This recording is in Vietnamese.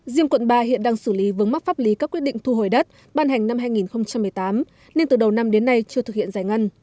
diêm quận ba hiện đang xử lý vướng mắc pháp lý các quyết định thu hồi đất ban hành năm hai nghìn một mươi tám nên từ đầu năm đến nay chưa thực hiện giải ngân